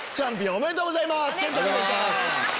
ありがとうございます！